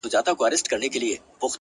په مټي چي وكړه ژړا پر ځـنـگانــه.